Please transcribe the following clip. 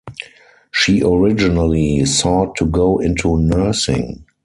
She originally sought to go into nursing.